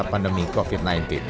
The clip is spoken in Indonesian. di masa pandemi covid sembilan belas